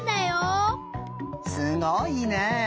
すごいね！